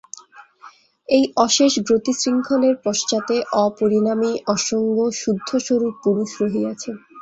এই অশেষ গতিশৃঙ্খলের পশ্চাতে অপরিণামী, অসঙ্গ, শুদ্ধস্বরূপ পুরুষ রহিয়াছেন।